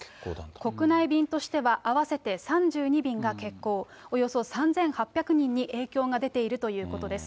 国内便としては合わせて３２便が欠航、およそ３８００人に影響が出ているということです。